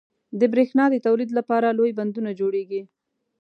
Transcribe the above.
• د برېښنا د تولید لپاره لوی بندونه جوړېږي.